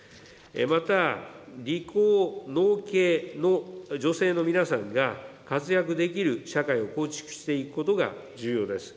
また、理工農系の女性の皆さんが、活躍できる社会を構築していくことが重要です。